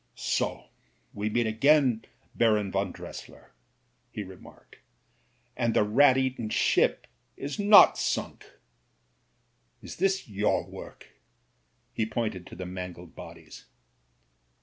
"So we meet again, Baron von Dressier," he re marked, "and the rat eaten ship is not sunk. Is this your work?" He pointed to the mangled bodies.